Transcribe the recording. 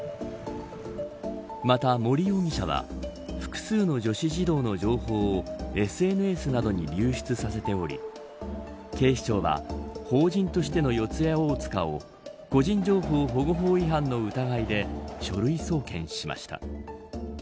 また森容疑者は複数の女子児童の情報をＳＮＳなどに流出させており警視庁は法人としての四谷大塚を個人情報保護法違反の疑いで書類送検しました。